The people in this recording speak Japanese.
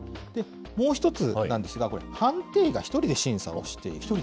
もう１つなんですが、これ、判定医が１人で審査をしている。